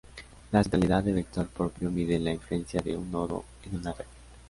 La centralidad de vector propio mide la influencia de un nodo en una red.